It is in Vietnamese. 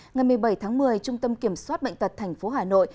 ngày một mươi bảy tháng một mươi trung tâm kiểm soát bệnh tật tp hà nội